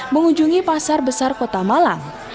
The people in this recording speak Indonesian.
mengunjungi pasar besar kota malang